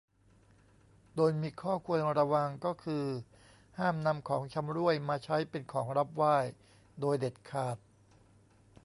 โดยมีข้อควรระวังก็คือห้ามนำของชำร่วยมาใช้เป็นของรับไหว้โดยเด็ดขาด